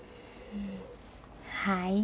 はい。